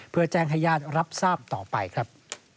เพื่อแจ้งให้ญาติรับทราบต่อไปครับ